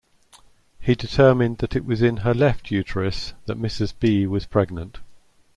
He determined that it was in her left uterus that Mrs. B. was pregnant.